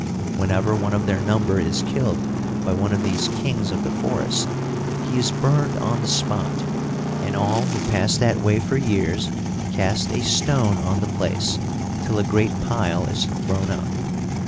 Whenever one of their number is killed by one of these kings of the forest, he is burned on the spot, and all who pass that way for years cast a stone on the place till a great pile is thrown up.